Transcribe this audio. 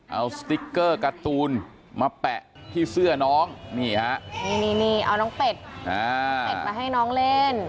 เอาสติ๊กเกอร์การ์ตูนมาแปะที่เสื้อน้องนี่ฮะนี่เอาน้องเป็ดเป็ดมาให้น้องเล่น